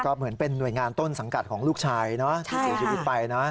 ก็เหมือนเป็นหน่วยงานต้นสังกัดของลูกชายที่เสียชีวิตไปนะ